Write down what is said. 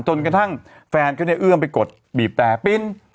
จนกระทั่งแฟนเขาเนี่ยเอื้อมไปกดบีบแต่ปิ้น